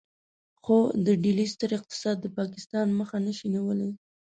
خو د ډهلي ستر اقتصاد د پاکستان مخه نشي نيولای.